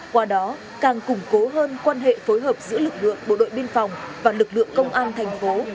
qua đó càng củng cố hơn quan hệ phối hợp giữa lực lượng bộ đội biên phòng và lực lượng công an thành phố